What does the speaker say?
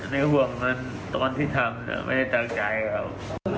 นึกห่วงตอนที่ทำไม่ได้เจอใจกับเขา